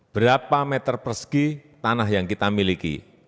berapa meter persegi tanah yang kita miliki